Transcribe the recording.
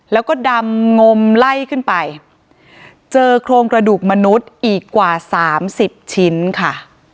แล้วก็ดำงมไล่ขึ้นไปเจอโครงกระดูกมนุษย์อีกกว่าสามสิบชิ้นค่ะ